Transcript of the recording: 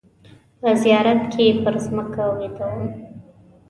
په زیارت کې پر مځکه ویده شوم.